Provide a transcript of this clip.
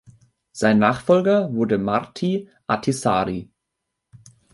Sein Nachfolger wurde Martti Ahtisaari.